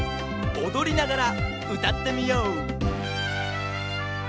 おどりながらうたってみよう！